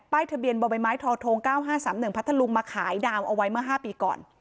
ป้ายทะเบียนบมธ๙๕๓๑พัทลุงมาขายดามเอาไว้มา๕ปีก่อน